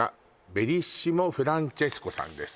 ベリッシモ・フランチェスコさんです